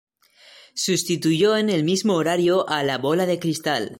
Sustituyó en el mismo horario a "La bola de cristal".